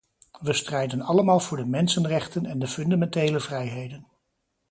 We strijden allemaal voor de mensenrechten en de fundamentele vrijheden.